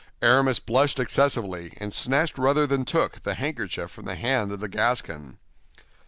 Aramis blushed excessively, and snatched rather than took the handkerchief from the hand of the Gascon.